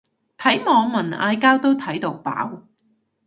睇網民嗌交都睇到飽